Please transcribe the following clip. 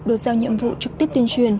được giao nhiệm vụ trực tiếp tuyên truyền